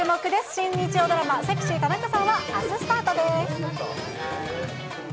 新日曜ドラマ、セクシー田中さんは、あすスタートです。